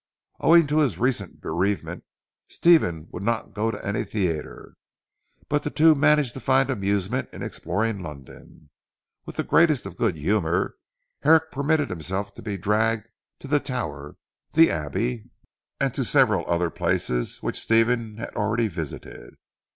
Owing to his recent bereavement Stephen would not go to any theatre, but the two managed to find amusement in exploring London. With the greatest good humour, Herrick permitted himself to be dragged to the Tower, the Abbey, and to several other places which Stephen had already visited.